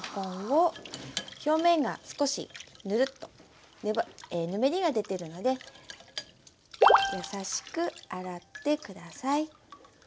表面が少しヌルッぬめりが出てるので優しく洗って下さい。